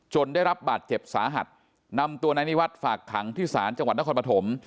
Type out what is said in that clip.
จนได้รับบัตรเจ็บสาหัสนำตัวในนิวัตรฝากขังที่ศาลจังหวัดนครมภม